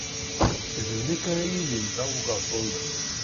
D nekk ara yilin d abugaṭu-nnem.